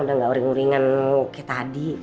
udah gak oren orengan kayak tadi